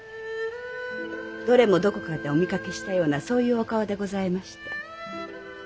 どれもどこかでお見かけしたようなそういうお顔でございました。